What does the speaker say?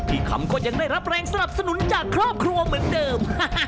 คำก็ยังได้รับแรงสนับสนุนจากครอบครัวเหมือนเดิม